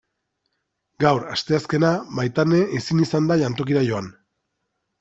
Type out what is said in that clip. Gaur, asteazkena, Maitane ezin izan da jantokira joan.